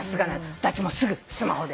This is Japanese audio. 私もすぐスマホで。